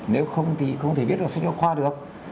nếu không thì không thể viết vào sách học khoa được